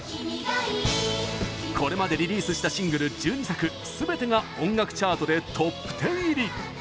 これまでリリースしたシングル１２作すべてが音楽チャートでトップ１０入り。